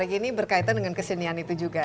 yang lagi ini berkaitan dengan kesenian itu juga ya